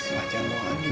pak jangan bawa andi